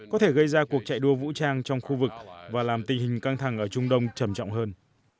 có thể gây ra cuộc chạy đua vũ trang trong khu vực và làm tình hình căng thẳng ở trung đông trầm trọng hơn